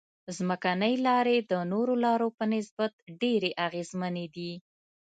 ځمکنۍ لارې د نورو لارو په نسبت ډېرې اغیزمنې دي